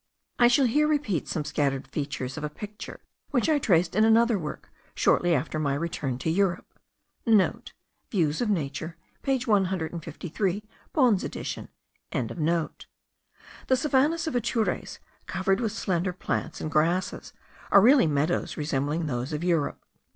I shall here repeat some scattered features of a picture which I traced in another work shortly after my return to Europe.* (* Views of Nature page 153 Bohn's edition.) The savannahs of Atures, covered with slender plants and grasses, are really meadows resembling those of Europe.